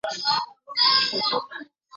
首府磅清扬。